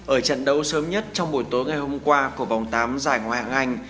ở trận đấu sớm nhất trong buổi tối ngày hôm qua của vòng tám giải ngoại hạng anh